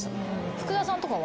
福田さんとかは？